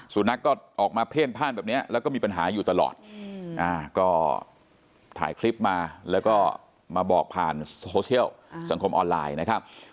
สุนัขก็ออกมาเพ่นพ่านแบบนี้แล้วก็มีปัญหาอยู่ตลอดก็ถ่ายคลิปมาแล้วก็มาบอกผ่านโซเชียลสังคมออนไลน์นะครับ